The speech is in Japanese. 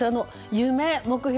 夢、目標